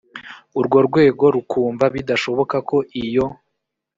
urwo rwego rukumva bidashoboka ko iyo